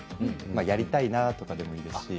やりたいなということでもいいですし。